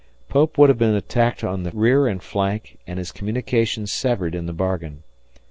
Pope would have been attacked in the rear and flank and his communications severed in the bargain.